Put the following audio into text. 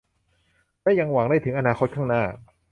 และยังหวังได้ถึงอนาคตข้างหน้า